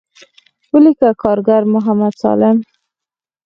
وليکه کارګر محمد سالم.